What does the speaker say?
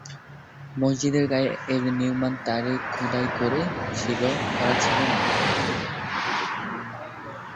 মসজিদের গায়ে এর নির্মাণ-তারিখ খোদাই করা ছিল না।